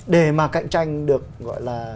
để mà cạnh tranh được gọi là